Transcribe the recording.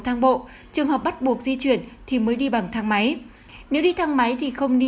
thang bộ trường hợp bắt buộc di chuyển thì mới đi bằng thang máy nếu đi thang máy thì không đi